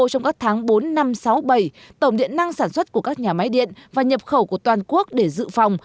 trong các tháng bốn năm sáu bảy tổng điện năng sản xuất của các nhà máy điện và nhập khẩu của toàn quốc để dự phòng